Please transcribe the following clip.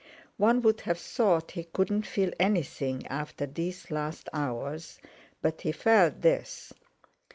One would have thought he couldn't feel anything after these last hours, but he felt this.